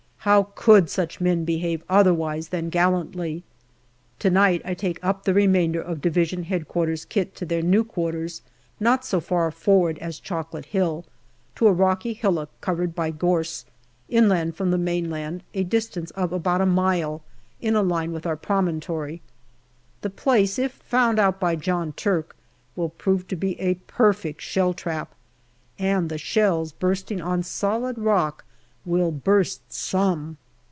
How could such men behave otherwise than gallantly ? To night I take up the remainder of D.H.Q. kit to their new quarters, not so far forward as Chocolate Hill, to a rocky hillock covered by gorse, inland from the mainland, a distance of about a mile in a line with our promontory. The place, if found out by John Turk, will prove to be a perfect shell trap, and shells bursting on solid rock will burst " some."